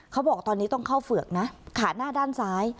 เขาบอกตอนนี้ต้องเข้าเฝือกนะขาหน้าด้านซ้าย